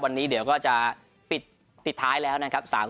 วันนี้เดี๋ยวก็จะปิดท้ายแล้วนะครับ